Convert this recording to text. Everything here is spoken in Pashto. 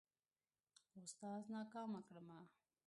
اوستاذ ناکامه کړمه.